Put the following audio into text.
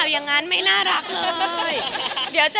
ก็บอกว่าเซอร์ไพรส์ไปค่ะ